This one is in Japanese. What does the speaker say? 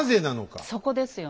そこですよね。